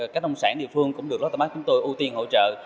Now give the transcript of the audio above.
các nông sản địa phương cũng được lotte marks chúng tôi ưu tiên hỗ trợ